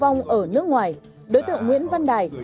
trong lưu vong ở nước ngoài đối tượng nguyễn văn đài